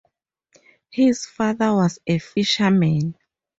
His father was a fisherman.